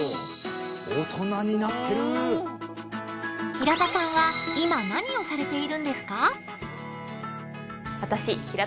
平田さんは今何をされているんですか？